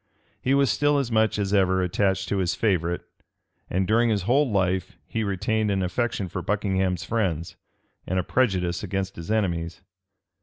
He was still as much as ever attached to his favorite; and during his whole life he retained an affection for Buckingham's friends, and a prejudice against his enemies.